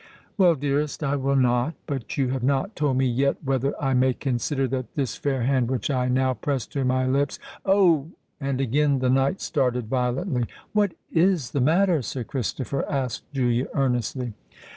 "Well, dearest, I will not. But you have not told me yet whether I may consider that this fair hand which I now press to my lips——Oh!" And again the knight started violently. "What is the matter, Sir Christopher?" asked Julia earnestly.